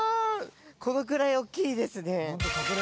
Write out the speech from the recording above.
このくらい大きいですね